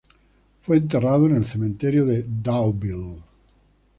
Fue enterrado en el Cementerio de Deauville.